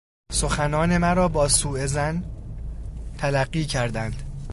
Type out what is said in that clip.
سخنان مرا با سو ظن تلقی کردند.